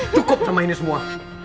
cukup sama ini semua